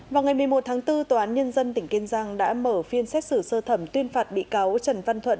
vào ngày một mươi một tháng bốn tòa án nhân dân tỉnh kiên giang đã mở phiên xét xử sơ thẩm tuyên phạt bị cáo trần văn thuận